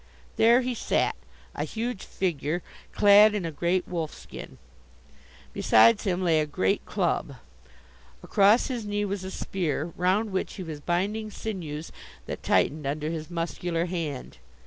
There he sat, a huge figure, clad in a great wolfskin. Besides him lay a great club. Across his knee was a spear round which he was binding sinews that tightened under his muscular hand.